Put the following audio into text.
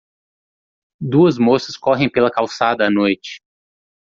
Duas moças correm pela calçada à noite.